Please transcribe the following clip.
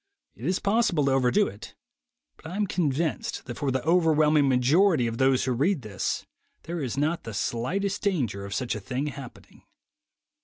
It is possible to overdo it; but I am convinced that for the overwhelming majority of those who read this, there is not the slightest danger of such a thing happening.